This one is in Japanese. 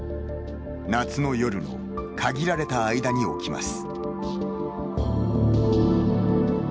夏の夜の限られた間に起きます。